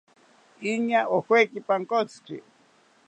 Iñaa ojeki pankotziki